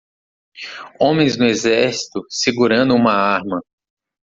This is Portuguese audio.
Homens no exército segurando uma arma.